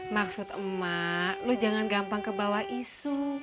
maksud emak lu jangan gampang kebawah isu